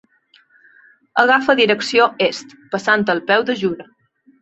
Agafa direcció est, passant al peu del Jura.